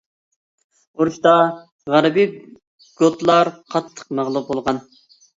ئۇرۇشتا غەربىي گوتلار قاتتىق مەغلۇپ بولغان.